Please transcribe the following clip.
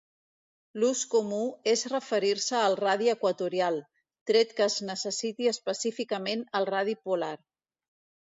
L'ús comú és referir-se al radi equatorial, tret que es necessiti específicament el radi polar.